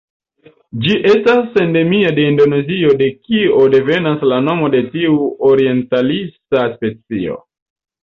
Ĝi estas endemia de Indonezio de kio devenas la nomo de tiu orientalisa specio.